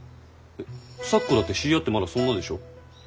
えっ咲子だって知り合ってまだそんなでしょ？